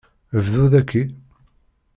Bdu daki!